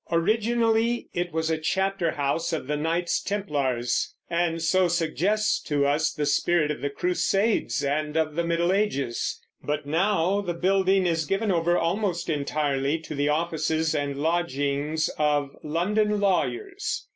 Originally it was a chapter house of the Knights Templars, and so suggests to us the spirit of the Crusades and of the Middle Ages; but now the building is given over almost entirely to the offices and lodgings of London lawyers.